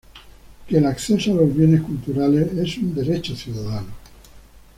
Que el acceso a los bienes culturales es un derecho ciudadano.